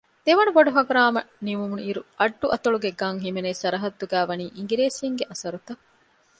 ދެވަނަ ބޮޑު ހަނގުރާމަ ނިމުނުއިރު އައްޑު އަތޮޅުގެ ގަން ހިމެނޭ ސަރަޙައްދުގައި ވަނީ އިނގިރޭސީންގެ އަސަރުތައް